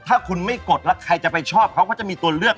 ถ้าคุณไม่กดแล้วใครจะไปชอบเขาก็จะมีตัวเลือก